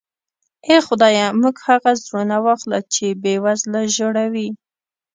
اې خدایه موږ هغه زړونه واخله چې بې وزله ژړوي.